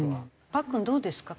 パックンどうですか？